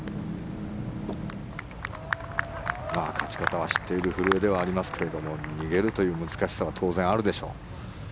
勝ち方は知っている古江ではありますが逃げるという難しさは当然あるでしょう。